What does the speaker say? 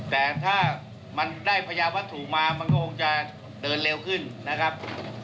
แต่ถ้ามันได้พญาวัตถุมามันก็คงจะเดินเร็วขึ้นนะครับ